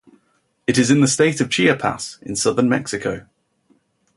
It is in the state of Chiapas, in southern Mexico.